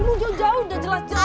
ini dia jauh udah jelas jelas